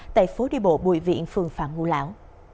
tại phố đi bộ bùi viện phường phạm ngũ lão